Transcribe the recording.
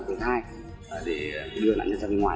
thứ hai để đưa nạn nhân ra bên ngoài